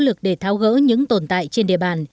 nỗ lực để tháo gỡ những tồn tại trên địa bàn